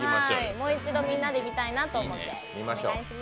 もう一度みんなで見たいなと思って、お願いします。